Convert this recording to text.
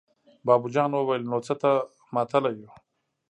بابو جان وويل: نو څه ته ماتله يو!